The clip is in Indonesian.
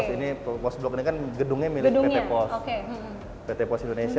ini post blok ini kan gedungnya milik pt post indonesia